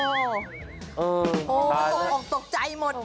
โหตกออกใจหมด